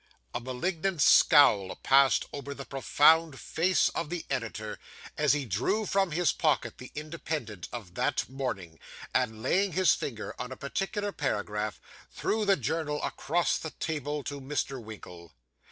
A malignant scowl passed over the profound face of the editor, as he drew from his pocket the Independent of that morning; and laying his finger on a particular paragraph, threw the journal across the table to Mr. Winkle.